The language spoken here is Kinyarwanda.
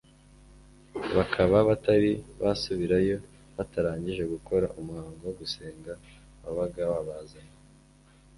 bakaba batari busubircyo batarangije gukora umuhango wo gusenga wabaga wabazanye.